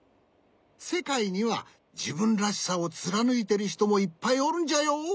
せかいにはじぶんらしさをつらぬいてるひともいっぱいおるんじゃよ。